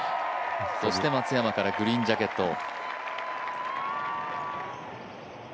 そして松山からグリーンジャケットを。